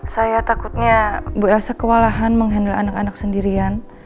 saya takutnya bu elsa kewalahan menghandle anak anak sendirian